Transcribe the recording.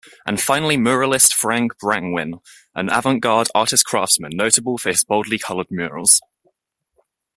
And finally muralist Frank Brangwyn, an avante-garde artist-craftsman notable for his boldly-coloured murals.